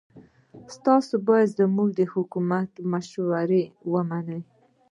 تاسو باید زموږ د حکومت مشورې ومنئ.